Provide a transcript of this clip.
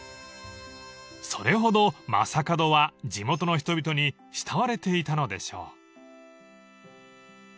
［それほど将門は地元の人々に慕われていたのでしょう］